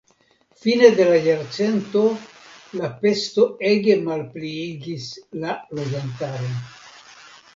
Fine de la jarcento la pesto ege malpliigis la loĝantaron.